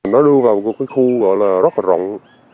nó đưa vào một khu gọi là rất rộng